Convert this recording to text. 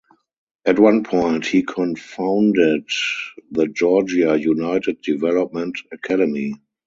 At one point he cofounded the Georgia United development academy.